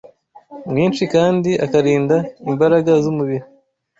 mwinshi kandi akarinda imbaraga z’umubiri